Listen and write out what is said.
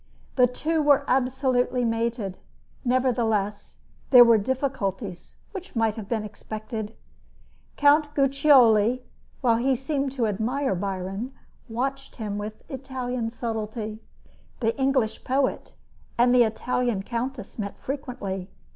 The two were absolutely mated. Nevertheless, there were difficulties which might have been expected. Count Guiccioli, while he seemed to admire Byron, watched him with Italian subtlety. The English poet and the Italian countess met frequently.